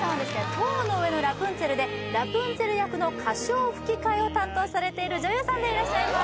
「塔の上のラプンツェル」でラプンツェル役の歌唱吹き替えを担当されている女優さんでいらっしゃいます